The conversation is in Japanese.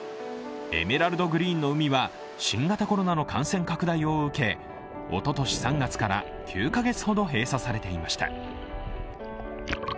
エメラルドグリーンの海は新型コロナの感染拡大を受けおととし３月から９カ月ほど閉鎖されていました。